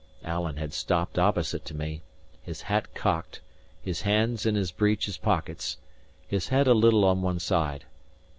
Alan had stopped opposite to me, his hat cocked, his hands in his breeches pockets, his head a little on one side.